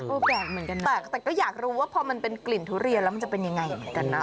แปลกเหมือนกันนะแต่ก็อยากรู้ว่าพอมันเป็นกลิ่นทุเรียนแล้วมันจะเป็นยังไงเหมือนกันนะ